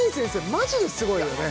マジですごいよね